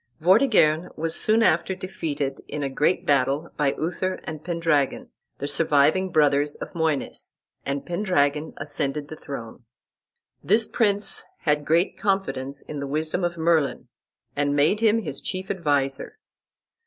Vortigern was soon after defeated in a great battle by Uther and Pendragon, the surviving brothers of Moines, and Pendragon ascended the throne. This prince had great confidence in the wisdom of Merlin, and made him his chief adviser.